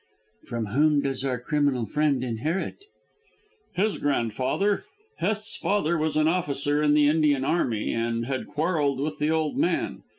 "From whom does our criminal friend inherit?" "His grandfather. Hest's father was an officer in the Indian army, and had quarrelled with the old man.